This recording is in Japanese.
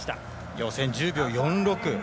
予選１０秒４６。